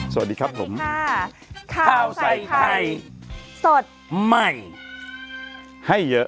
สวัสดีครับผมสวัสดีค่ะข้าวใส่ไทยสดใหม่ให้เยอะอ่า